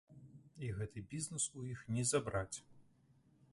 І гэты бізнес у іх не забраць!